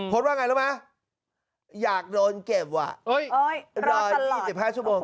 ว่าไงรู้ไหมอยากโดนเก็บอ่ะรอ๒๕ชั่วโมง